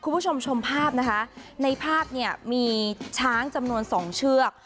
คุณผู้ชมชมภาพนะคะในภาพเนี่ยมีช้างจำนวนสองเชือก